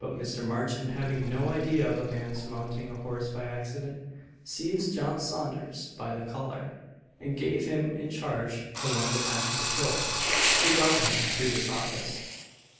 But Mr. Marchant having no idea of a man's "mounting a horse by accident," seized John Saunders by the collar, and gave him in charge to one of the passing patrol, who brought him to this office.